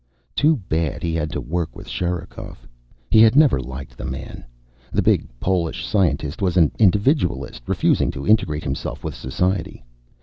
Too bad he had to work with Sherikov. He had never liked the man. The big Polish scientist was an individualist, refusing to integrate himself with society.